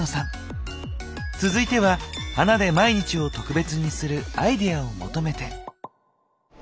続いては「花で毎日を特別にするアイデア」を求めて。